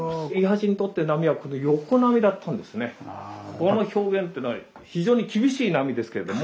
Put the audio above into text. この表現っていうのは非常に厳しい波ですけれども。